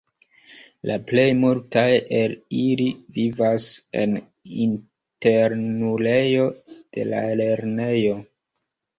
La plej multaj el ili vivas en internulejo de la lernejo.